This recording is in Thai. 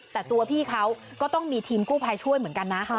แต่ตัวพี่เขาก็ต้องมีทีมกู้ภัยช่วยเหมือนกันนะ